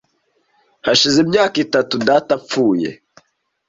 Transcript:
Hashize imyaka itanu data apfuye.